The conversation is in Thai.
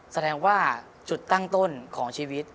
แสดงว่าจุดตั้งต้นของชีวิต